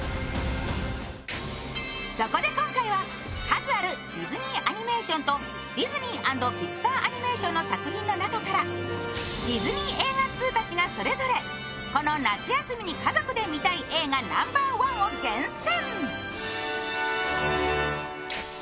そこで今回は数あるディズニー・アニメーションとディズニー＆ピクサー・アニメーションの作品の中からディズニー映画通たちがそれぞれこの夏休みに家族で見たい映画ナンバーワンを厳選。